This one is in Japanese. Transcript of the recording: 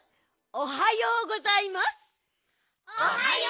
おはようございます！